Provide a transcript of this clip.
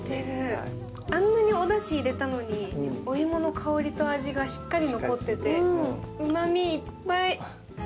あんなにおだし入れたのに、おいもの香りと味がしっかり残ってて、うまみいっぱい。